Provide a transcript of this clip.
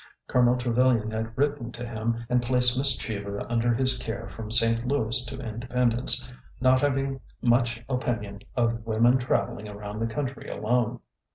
Colonel Trevilian had written to him and placed Miss Cheever under his care from St. Louis to Independence, not having much opinion of women traveling around the country alone.